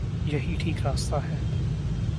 یہی ٹھیک راستہ ہے۔